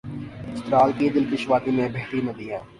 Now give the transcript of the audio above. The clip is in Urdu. چترال کی دل کش وادی میں بہتی ندیاں